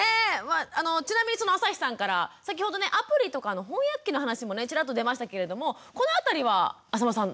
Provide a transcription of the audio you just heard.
ちなみにその朝日さんから先ほどねアプリとかの翻訳機の話もねチラッと出ましたけれどもこの辺りは淺間さん